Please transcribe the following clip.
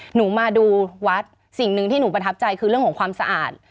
หนูมาดูวัดสิ่งหนึ่งที่หนูประทับใจคือเรื่องของความสะอาด